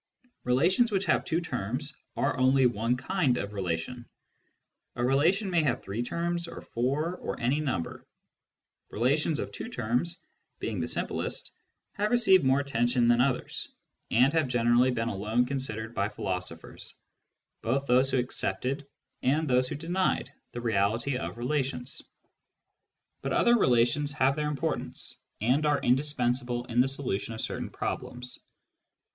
Relations which have two terms are only one kind of relations. A relation may have three terms, or four, or any number. Relations of two terms, being the simplest, have received more attention than the others, and have generally been alone considered by philosophers, both those who accepted and those who denied the reality of relations. But other relations have their importance, and are indispensable in the solution of ^ certain problems.